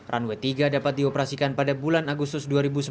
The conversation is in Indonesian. runway tiga dapat dioperasikan pada bulan agustus dua ribu sembilan belas